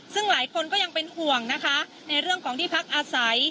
ซึ่งหลายคนก็ยังเป็นห่วงนะคะในเรื่องของที่พักอาศัย